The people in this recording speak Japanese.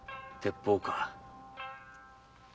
鉄砲か。